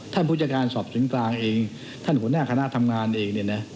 ผู้จัดการสอบสวนกลางเองท่านหัวหน้าคณะทำงานเองเนี่ยนะ